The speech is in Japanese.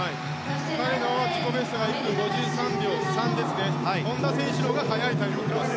彼の自己ベストが１分５３秒３ですから本多選手のほうが早いタイムを持っています。